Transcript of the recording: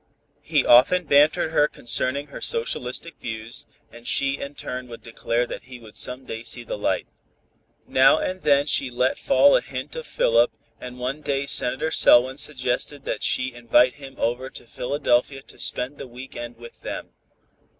He often bantered her concerning her "socialistic views," and she in turn would declare that he would some day see the light. Now and then she let fall a hint of Philip, and one day Senator Selwyn suggested that she invite him over to Philadelphia to spend the week end with them.